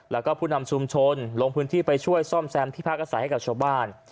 แล้วก็ผู้นำชุมชนลงพื้นที่ไปช่วยซ่อมแซมที่พักอาศัยให้กับชาวบ้าน